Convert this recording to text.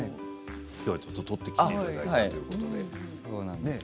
きょうは撮ってきていただいたということで。